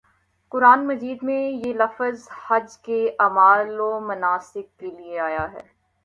قرآنِ مجید میں یہ لفظ حج کے اعمال و مناسک کے لیے آیا ہے